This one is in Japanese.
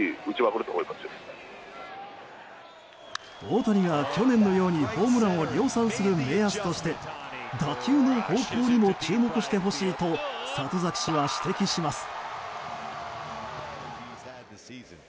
大谷が去年のようにホームランを量産する目安として打球の方向にも注目してほしいと里崎氏は指摘します。